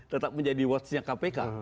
tetap menjadi watchnya kpk